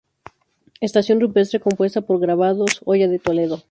Estación Rupestre compuesta por Grabados; Hoya de Toledo.